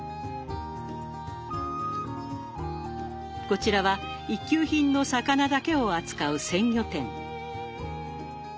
こちらは一級品の魚だけを扱う鮮魚店。